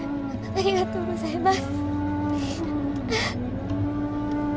ありがとうございます。